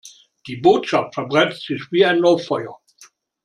Die Botschaft verbreitet sich wie ein Lauffeuer.